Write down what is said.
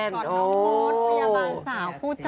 กอดน้องโม๊ตพยาบาลสาวผู้ใจ